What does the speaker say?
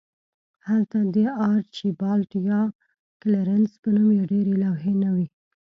هلته د آرچیبالډ یا کلیرنس په نوم ډیرې لوحې نه وې